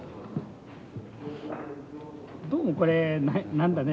どうもこれ何だね